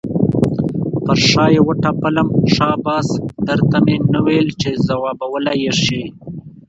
پر شا یې وټپلم، شاباس در ته مې نه ویل چې ځوابولی یې شې.